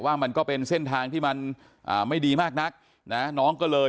มันก็เป็นเส้นทางที่มันไม่ดีมากนักนะน้องก็เลย